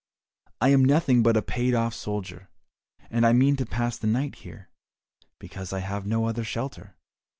I am nothing but a paid off soldier, and I mean to pass the night here, because I have no other shelter."